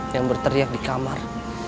yang berteriak di kamar